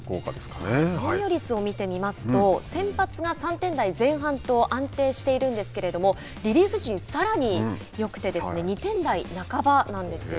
防御率を見てみますと先発が３点台前半と安定しているんですけれどもリリーフ陣はさらによくて２点台半ばなんです。